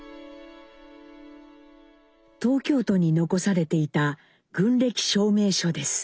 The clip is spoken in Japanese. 東京都に残されていた軍歴証明書です。